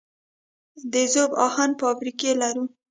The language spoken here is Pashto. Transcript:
د ذوب اهن فابریکې لرو؟